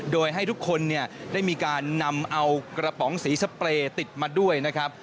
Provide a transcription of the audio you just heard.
โดยให้ทุกคนได้มีการนำเอากระป๋องสีสเปรย์ติดมาด้วย